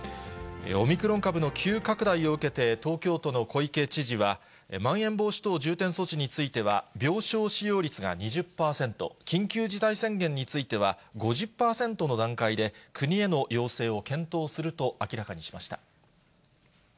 オミクロン株の急拡大を受けて、東京都の小池知事は、まん延防止等重点措置については、病床使用率が２０％、緊急事態宣言については、５０％の段階で、国への要請を検討すると明らかにしました。